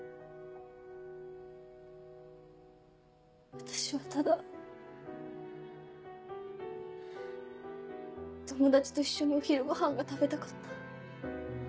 私はただ友達と一緒にお昼ご飯が食べたかった。